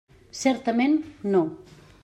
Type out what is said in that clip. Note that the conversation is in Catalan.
Certament, no.